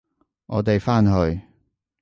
我哋返去！